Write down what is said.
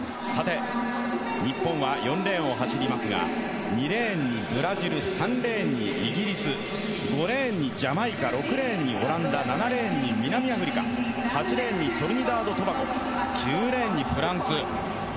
日本は４レーンを走りますが２レーンにブラジル３レーンにイギリス５レーンにジャマイカ６レーンにオランダ７レーンに南アフリカ８レーンにトリニダード・トバゴ１０レーンにフランス。